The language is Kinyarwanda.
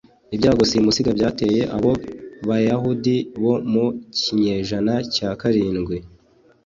ibyago simusiga byateye abo bayahudi bo mu kinyejana cya karindwi